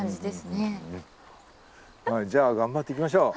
じゃあ頑張って行きましょう。